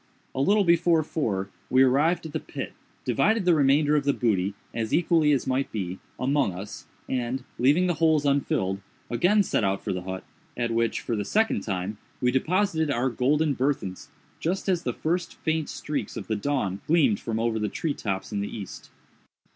A little before four we arrived at the pit, divided the remainder of the booty, as equally as might be, among us, and, leaving the holes unfilled, again set out for the hut, at which, for the second time, we deposited our golden burthens, just as the first faint streaks of the dawn gleamed from over the tree tops in the East.